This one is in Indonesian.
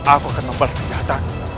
aku akan membalas kejahatan